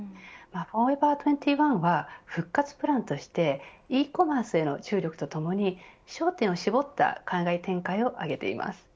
フォーエバー２１は復活プランとしてｅコマースへの注力とともに焦点を絞った海外展開を挙げています。